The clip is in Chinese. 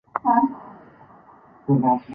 中国大陆经济建设已成为主要任务。